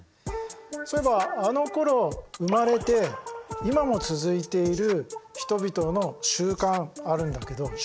そういえばあのころ生まれて今も続いている人々の習慣あるんだけど習君何だか分かるかな？